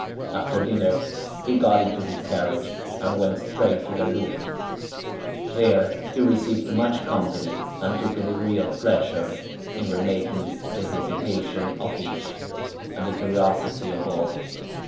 After dinner, he got into his carriage, and went straight to the Louvre. There he received much company, and took a degree of pleasure in remarking the hesitation of each, and the curiosity of all.